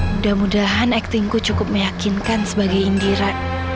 mudah mudahan actingku cukup meyakinkan sebagai indira